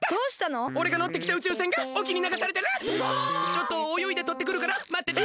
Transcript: ちょっとおよいでとってくるからまってて！